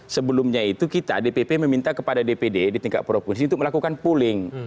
sebelumnya itu kita dpp meminta kepada dpd di tingkat provinsi untuk melakukan pooling